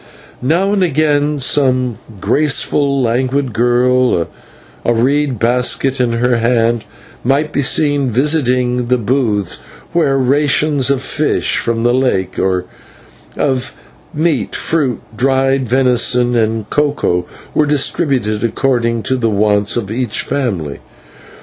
Now and again some graceful, languid girl, a reed basket in her hand, might be seen visiting the booths, where rations of fish from the lake, or of meal, fruit, dried venison, and cocoa, were distributed according to the wants of each family.